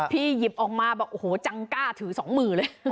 หยิบออกมาบอกโอ้โหจังกล้าถือสองมือเลย